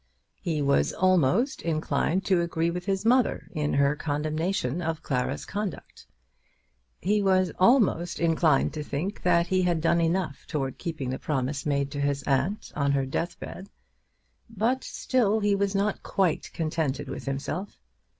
He was almost inclined to agree with his mother in her condemnation of Clara's conduct. He was almost inclined to think that he had done enough towards keeping the promise made to his aunt on her deathbed, but still he was not quite contented with himself.